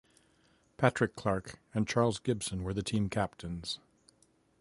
Patrick Clark and Charles Gibson were the team captains.